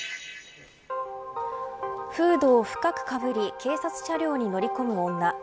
フードを深くかぶり警察車両に乗り込む女。